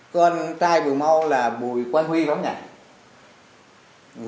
con trai bùi mâu là bùi quang huy đóng nhà